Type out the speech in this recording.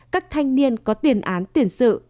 các thanh niên có tiền án tiền sự